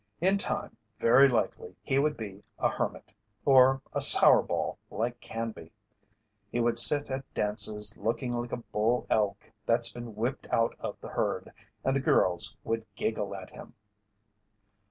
In time, very likely, he would be a hermit, or a "sour ball" like Canby; he would sit at dances looking like a bull elk that's been whipped out of the herd, and the girls would giggle at him.